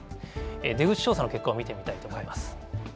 出口調査の結果を見てみたいと思います。